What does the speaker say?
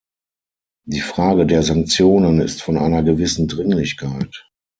Die Frage der Sanktionen ist von einer gewissen Dringlichkeit.